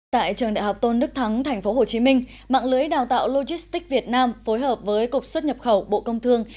tại trường đại học tôn đức thắng tp hcm mạng lưới đào tạo logistics việt nam phối hợp với cục xuất nhập khẩu bộ công thương